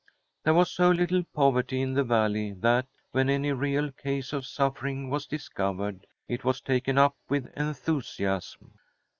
There was so little poverty in the Valley that, when any real case of suffering was discovered, it was taken up with enthusiasm.